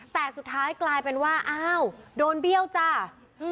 แต่สุดท้ายกลายเป็นว่าอ้าวโดนเบี้ยวจ้า